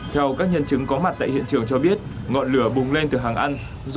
theo các nhân chứng có mặt tại hiện trường cho biết ngọn lửa bùng lên từ hàng ăn